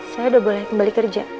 saya udah boleh kembali kerja